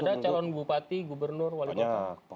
ada calon bupati gubernur wali kota